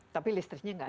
tapi listriknya tidak ada